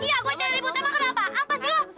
iya gue cair ribut emang kenapa apa sih lo